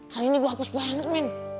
hari ini gue hapus banget men